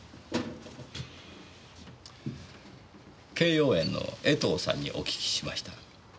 敬葉園の江藤さんにお聞きしました。